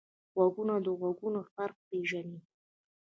غوږونه د غږونو فرق پېژني